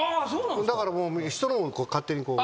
だからもう人のを勝手にこう。